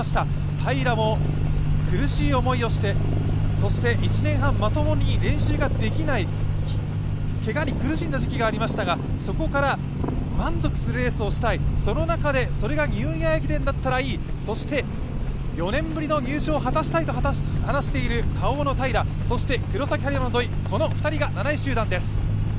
平も苦しい思いをして、そして１年半まともに練習ができない、けがに苦しんだ時期がありましたがそこから満足するレースをしたいその中でそれがニューイヤー駅伝だったらいい、そして４年ぶりの入賞を果たしたいと話しているＫａｏの平、黒崎播磨の土井、この２人が７位集団です。